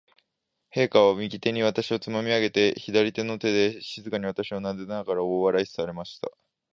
陛下は、右手に私をつまみ上げて、左の手で静かに私をなでながら、大笑いされました。